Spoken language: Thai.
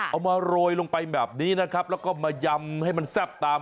มาโรยลงไปแบบนี้นะครับแล้วก็มายำให้มันแซ่บตาม